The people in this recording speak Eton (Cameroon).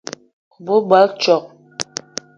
O gbele basko?